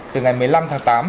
từ ngày một mươi năm tháng tám